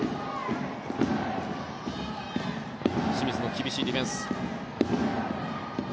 清水の厳しいディフェンス。